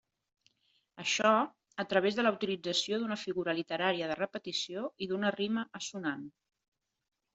Això, a través de la utilització d'una figura literària de repetició i d'una rima assonant.